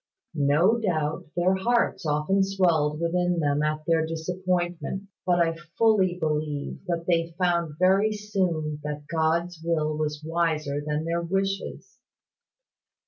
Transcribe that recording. "No doubt their hearts often swelled within them at their disappointments: but I fully believe that they found very soon that God's will was wiser than their wishes.